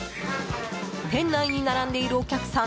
店内に並んでいるお客さん